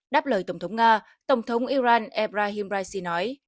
đáp lời tổng thống nga tổng thống iran ebrahim raisi nói